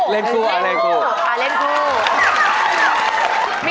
เล่นคู่เหล่นคู่เหล่นคู่